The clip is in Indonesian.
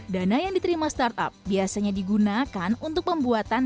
dana yang diterima startup biasanya digunakan untuk pembuatan